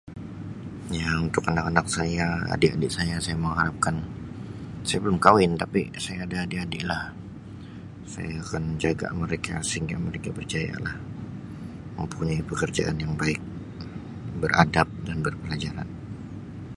Ya untuk anak-anak saya adik-adik saya saya mengharapkan saya belum kawin tapi saya ada adik-adik lah saya akan jaga mereka sehingga mereka berjaya lah mempunyai pekerjaan yang baik, beradab dan berpelajaran.